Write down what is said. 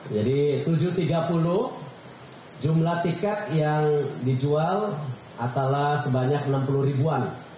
jadi tujuh tiga puluh jumlah tiket yang dijual adalah sebanyak enam puluh ribuan